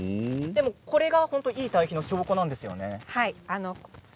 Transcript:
これが本当のいい堆肥の証拠なんですよね。